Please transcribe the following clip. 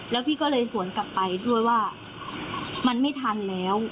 แล้วพี่ก็เลยสวนกลับไปด้วยว่ามันไม่ทันแล้ว